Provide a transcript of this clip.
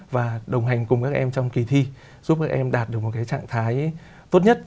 và đồng hành cùng các em trong kỳ thi giúp các em đạt được một cái trạng thái tốt nhất